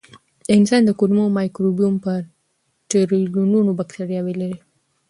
د انسان د کولمو مایکروبیوم په ټریلیونونو بکتریاوې لري.